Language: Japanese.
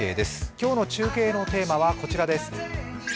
今日の中継のテーマはこちらです。